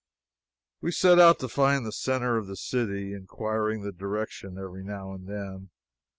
We set out to find the centre of the city, inquiring the direction every now and then.